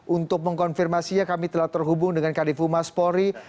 untuk mengkonfirmasinya kami telah terhubung dengan kdfu mas pori